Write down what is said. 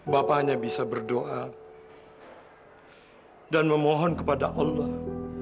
bapak hanya bisa berdoa dan memohon kepada allah